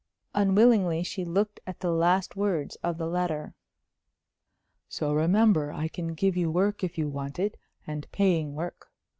Unwillingly she looked at the last words of the letter: "So, remember, I can give you work if you want it, and paying work.